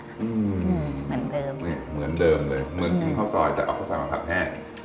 เหมือนเดิมเลยเหมือนเดิมเลยเหมือนกินข้อซอยแต่เอาเขาสามารถผัดแห้ง